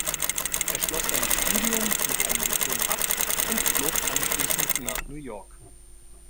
Er schloss sein Studium mit einem Diplom ab und flog anschließend nach New York.